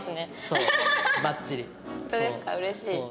うれしい。